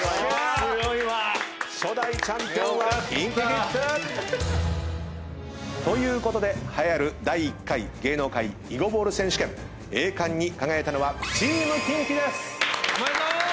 初代チャンピオンはＫｉｎＫｉＫｉｄｓ！ということで栄えある第１回芸能界囲碁ボール選手権栄冠に輝いたのはＴＥＡＭＫｉｎＫｉです！